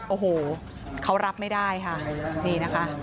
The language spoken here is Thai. โอ้โหเขารับไม่ได้ค่ะนี่นะคะ